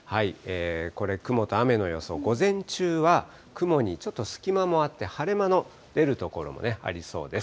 これ、雲と雨の予想、午前中は雲にちょっと隙間もあって、晴れ間の出る所もありそうです。